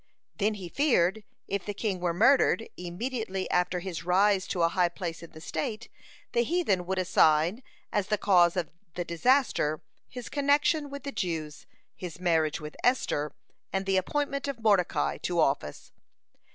Then he feared, if the king were murdered immediately after his rise to a high place in the state, the heathen would assign as the cause of the disaster his connection with the Jews his marriage with Esther and the appointment of Mordecai to office.